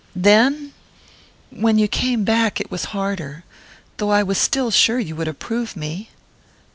"Then when you came back it was harder...though I was still sure you would approve me."